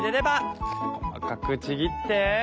細かくちぎって。